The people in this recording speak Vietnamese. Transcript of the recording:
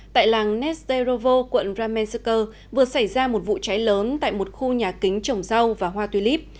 tại làng netterovo quận ramensuker vừa xảy ra một vụ cháy lớn tại một khu nhà kính trồng rau và hoa tuy líp